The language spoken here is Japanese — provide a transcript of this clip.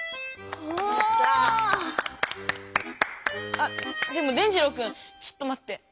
あでも伝じろうくんちょっとまって。